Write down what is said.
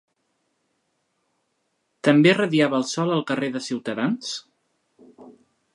També radiava el sol al carrer de Ciutadans?